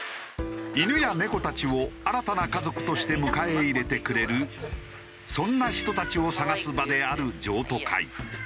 犬や猫たちを新たな家族として迎え入れてくれるそんな人たちを探す場である譲渡会。